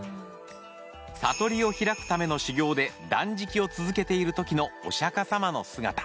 悟りを開くための修行で断食を続けている時のお釈迦様の姿。